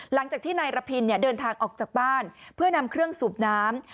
หลังจากที่นายระพินเดินทางออกจากบ้านเพื่อนำเครื่องสูบน้ำ